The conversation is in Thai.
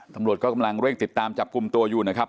ตำรวจก็กำลังเร่งติดตามจับกลุ่มตัวอยู่นะครับ